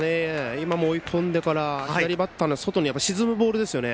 今も追い込んでから左バッターの外に沈むボールでしたね。